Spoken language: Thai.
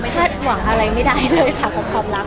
คาดหวังอะไรไม่ได้เลยค่ะกับความรัก